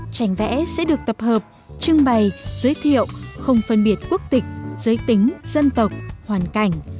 trành vẽ sẽ được tập hợp trưng bày giới thiệu không phân biệt quốc tịch giới tính dân tộc hoàn cảnh